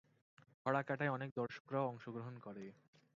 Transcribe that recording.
ছড়া কাটায় অনেক সময় দর্শকরাও অংশগ্রহণ করে।